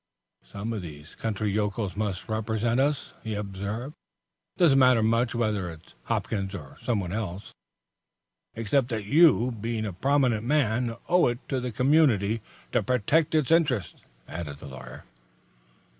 "Some of these country yokels must represent us," he observed. "It doesn't matter much whether it's Hopkins or someone else." "Except that you, being a prominent man, owe it to the community to protect its interests," added the lawyer.